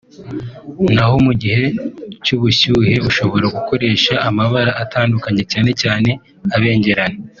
naho mu gihe cy’ubushyuhe ushobora gukoresha amabara atandukanye cyane cyane abengerana